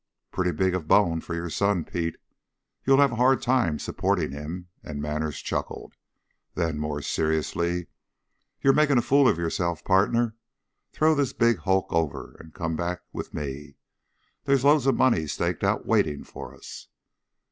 "Pretty big of bone for your son, Pete. You'll have a hard time supporting him," and Manners chuckled. Then, more seriously, "You're making a fool of yourself, pardner. Throw this big hulk over and come back with me! They's loads of money staked out waiting for us!"